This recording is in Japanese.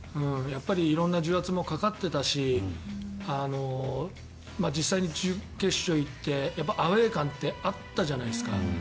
色んな重圧もかかってたし実際に準決勝行ってアウェー感ってあったじゃないですか。